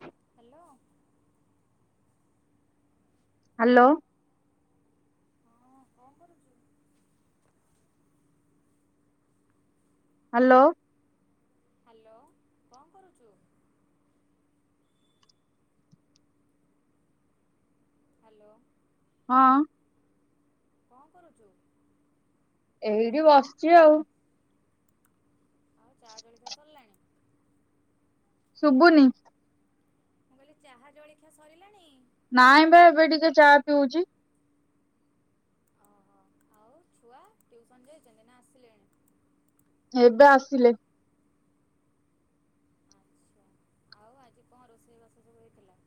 ହ hello. Hello. ହଁ କଣ କରୁଛୁ? ହାଲୋ। ହ୍ୟାଲୋ କଣ କରୁଛୁ? ହାଲୋ। ହଁ। କଣ କରୁଚୁ? ଏଇଠି ବସିଚି ଆଉ। ଆଉ ଚା ଜଳଖିଆ ସଲାଣି? ଶୁବୁନି। ମୁଁ କହିଲି ଚାହା ଜଳଖିଆ ସରିଲାଣି? ନାଇଁ ବା ଏବେ ଟିକେ ଚା ପିଉଚି। ଓହୋ, ଆଉ ଛୁଆ ଟିଉସନ ଯାଇଚନ୍ତି ନା ଆସିଲେଣି? ଏବେ ଆସିଲେ। ଆଚ୍ଛା ଆଉ ଆଜି କଣ ରୋଷେଇବାସ ସବୁ ହେଇଥିଲା?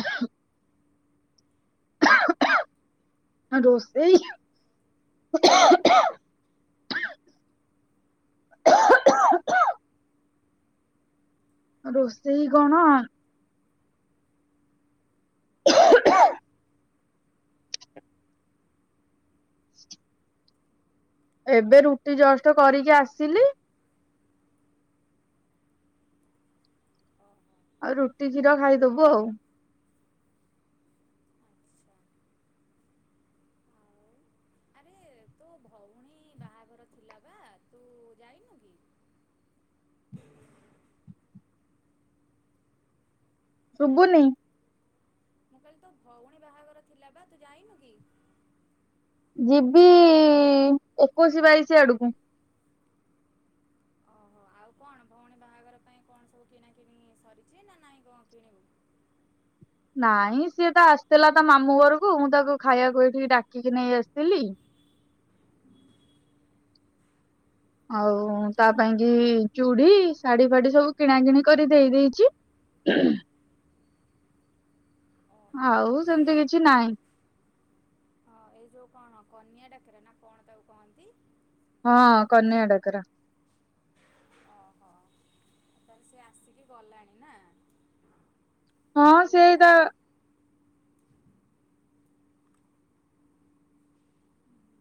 ହଁ ରୋଷେଇ ରୋଷେଇ କଣ? ଠା [unintelligible] ଏବେ ରୁଟି ଜଷ୍ଟ କରିକି ଆସିଲି। ଓହୋ ଆଉ ରୁଟି କ୍ଷୀର ଖାଇଦବୁ ଆଉ। ଆଚ୍ଛା ଆଉ ଆରେ ତୋ ଭଉଣୀ ବାହାଘର ଥିଲା ବା ତୁ ଯାଇନୁ କି? ଶୁଭୁନି? ଏ ତୋ ଭଉଣୀ ବାହାଘର ଥିଲା ବା ତୁ ଯାଇନୁ କି? ଯିବି ଏକୋଇଶି ବାଇଶି ଆଡକୁ। ଓହୋ, ଆଉ କଣ ଭଉଣୀ ବାହାଘର ପାଇଁ କଣ ସବୁ କିଣାକିଣି ସରିଛି ନା ନାଇଁ କଣ କିଣିବୁ? ନାଇଁ ସିଏ ତ ଆସିଥିଲା ତା ମାମୁଁ ଘରକୁ ମୁଁ ତାକୁ ଖାଇବାକୁ ଏଇଠିକି ଡାକିକି ନେଇ ଆସିଥିଲି। ଆଉ ତା ପାଇଁ କି ଚୁଡି ଶାଢୀ ଫାଢି ସବୁ କିଣା କିିଣି କରି ଦେଇ ଦେଇଚି। ହୁଁଁ [unintelligible] ଓହୋ ଆଉ ଏଇ ସେମିତି କିଛି ନାଇ। ହଁ ଏଇ ଯୋଉ କଣ କନିଆ ଡାକେରା ନା କଣ ତାକୁ କହନ୍ତି? ହଁ କନିଆ ଡ଼ାକରା। ଓହୋ, ତା ସିଏ ଆସିକି ଗଲାଣି ନା? ହଁ ଆଉ ତା ସେଇଟା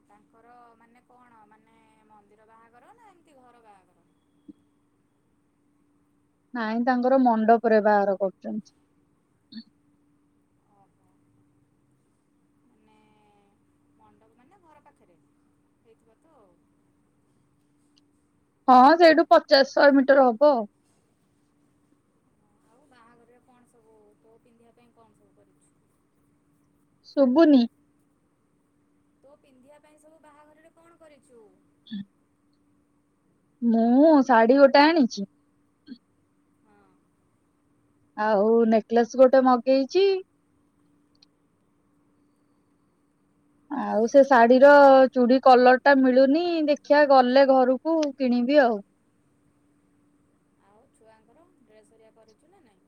ତାଙ୍କର ମାନେ କଣ ମାନେ ମନ୍ଦିର ବାହାଘର ନା ଏମତି ଘର ବାହାଘର? ନାଇଁ ତାଙ୍କର ମଣ୍ଡପରେ ବାହାର କରୁଚନ୍ତି। ଓହୋ ମାନେ ମଣ୍ଡପ ମାନେ ଘର ପାଖରେ? ହେଇଥିବ ତ? ହଁ ସେଇଠୁ ପଚାଶ ଶହେ ମିଟର୍ ହବ। ଆଉ ବାହାଘରରେ କଣ ସବୁ ତୋ ପିନ୍ଧିବା ପାଇଁ କଣ ସବୁ କରିଛୁ? ଶୁବୁନି? ତୁ ପିନ୍ଧିବା ପାଇଁ ସବୁ ବାହାଘରରେ କଣ କରିଛୁ? ହଁ। ମୁଁ ଶାଢ଼ୀ ଗୋଟେ ଆଣିଛି। ହଁ ଆଉ ନେକଲେସ୍ ଗୋଟେ ମଗେଇଚି। ଆଉ ସେ ଶାଢୀର ଚୁଡି କଲର୍ ଟା ମିଳୁନି ଦେଖିଆ ଗଲେ ଘରକୁ କିଣିବି ଆଉ। ଆଉ ଛୁଆଙ୍କର ଡ୍ରେସ୍ ହେରିଆ କରିଚୁ ନା ନାଇଁ?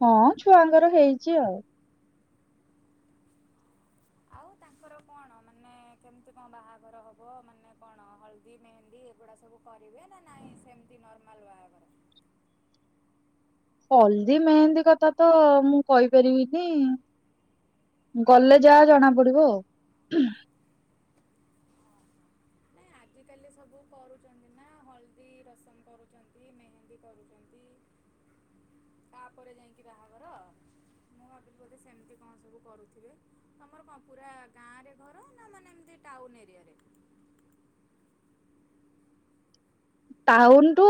ହଁ ଛୁଆଙ୍କର ହେଇଚି ଆଉ। ଆଉ ତାଙ୍କର କଣ ମାନେ କେମିତି କଣ ବାହାଘର ହବ? ମାନେ କଣ ହଳଦୀ ମେହେନ୍ଦୀ ଏଗୁଡ଼ା ସବୁ କରିବେ ନା ନାହିଁ ସେମିତି ନର୍ମାଲ୍ ବାହାଘର? ହଲଦୀ ମେହେନ୍ଦୀ କଥା ତ ମୁଁ କହିପାରିବିନି। ଗଲେ ଯାହା ଜଣା ପଡିବ। ନାଇଁ ଆଜିକାଲି ସବୁ କରୁଚନ୍ତି ନା ହଳଦୀ ରସମ କରୁଚନ୍ତି। ମେହେନ୍ଦୀ କରୁଚନ୍ତି। ତାପରେ ଯାଇକି ବାହାଘର। ମୁଁ ଭାବିଲି ସେମିତି କଣ ସବୁ କରୁଥିବେ। ତମର କଣ ପୁରା ଗାଁ ରେ ଘର ନା ମାନେ ଏମିତି ଟାଉନ ଏରିଆରେ? ଟାଉନ ଟୁ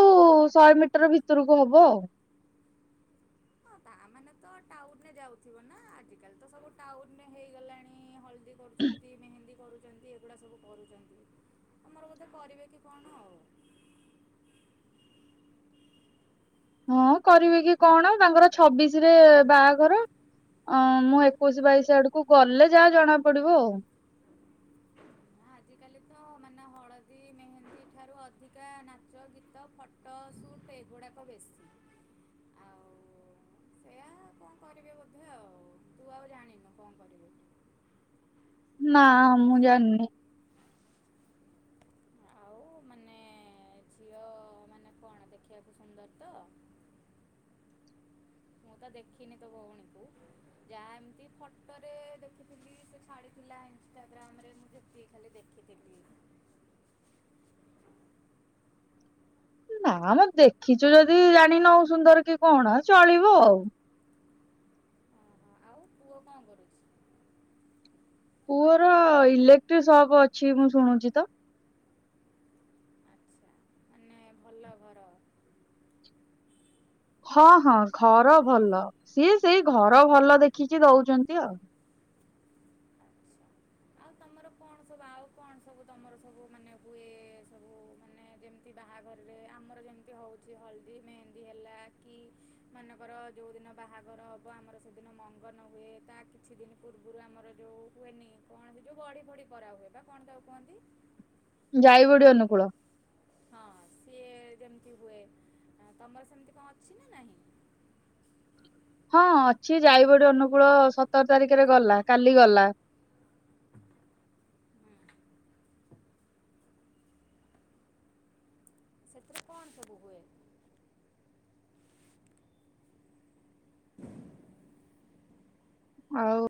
ଶହେ ମିଟର ଭିତରକୁ ହବ ଆଉ। ହଁ ତା ମାନେ ତ ଟାଉନରେ ଯାଉଥିବ ନା ଆଜିକାଲି ତ ସବୁ ଟାଉନରେ ହେଇଗଲାଣି ହଳଦୀ କରୁ କର ମେହେନ୍ଦୀ କରୁଛନ୍ତି ଏଗୁଡ଼ା ସବୁ କରୁଛନ୍ତି ଆମର କଥାେ କରିବେ କି କଣ ଆଉ। ହଁ କରିବେ କି କଣ ତାଙ୍କର ଛବିଶ ରେ ବାହାଘର। ଅ ମୁଁ ଏକୋଇଶି ବାଇଶି ଆଡକୁ ଗଲେ ଯାହା ଜଣା ପଡିବ ଆଉ। ଆଜିକାଲି ତ ମାନେ ହଳଦୀ ମେହେନ୍ଦୀ ଠାରୁ ଅଧିକା ନାଚ ଗୀତ ଫଟ ଟ ସୁଟ୍ ଏଗୁଡ଼ାକ ବେଶୀ ଆଉ। ହଉ ସେଇଆ କଣ କରିବି ବୋଧେ ଆଉ ତୁ ଆଉ ଜାଣିନୁ କଣ କରିବୁ। ନା ମୁଁ ଜାଣିନି। ଆଉ ମାନେ ଝିଅ ମାନେ କଣ ଦେଖିବାକୁ ସୁନ୍ଦରତ। ମୁଁ ତ ଦେଖିନି ତୋ ଭଉଣୀକୁ। ଯାହା ଏମିତି ଫୋଟୋରେ ଦେଖିଥିଲି ସେ ଛାଡିଥିଲା ଇନଷ୍ଟାଗ୍ରାମରେ ମୁଁ ଦେଖି ଖାଲି ଦେଖିଥିଲି। ନା ମ ଦେଖିଛୁ ଯଦି ଜାଣିନାଉ ସୁନ୍ଦର କି କଣ ଚଳିବ ଆଉ। ଓହୋ ଆଉ ପୁଅ କଣ କରୁଛି। ପୁଅର ଇଲେକ୍ଟ୍ରିକ ସପ୍ ଅଛି ମୁଁ ଶୁଣୁଛି ତ। ନାହିଁ ଭଲ ଘର। ହଁ ହଁ ଘର ଭଲ ସିଏ ସେଇ ଘର ଭଲ ଦେଖିକି ଦଉଛନ୍ତି ଆଉ। ଆଚ୍ଛା ଆଉ ତମର କଣ ସବୁ ଆଉ କଣ ସବୁ ତମର ସବୁ ମାନେ ହୁଏ ସବୁ ମାନେ ଯେମିତି ବାହାଘରରେ ଆମର ଯେମିତି ହେଉଛି ହଳଦୀ ମେହେନ୍ଦୀ ହେଲା କି ମନେକର ଯୋଉ ଦିନ ବାହାଘର ହବ ଆମର ସେଦିନ ମଙ୍ଗନ ହୁଏ ତା କିଛି ଦିନ ପୂର୍ବରୁ ଆମର ଯୋଉ ହୁଏନି କଣ ଯୋଉ ବଡି ବଡି ପରା ହୁଏ ବା କଣ ତାକୁ କୁହନ୍ତି? ଯାଇବଡି ଅନୁକୂଳ। ହଁ ସିଏ ଯେମିତି ହୁଏ ତମର ସେମିତି କଣ ଅଛି ନା ନାହିଁ। [inaudible] ହଁ ଅଛି ଯାଇବଡି ଅନୁକୂଳ ସତର ତାରିଖରେ ଗଲା କାଲି ଗଲା। ହୁଁ। ସେଥିରେ କଣ ସବୁ ହୁଏ। [inaudible] ଆଉ